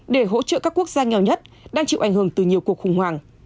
để hỗ trợ các quốc gia nghèo nhất đang chịu ảnh hưởng từ nhiều cuộc khủng hoảng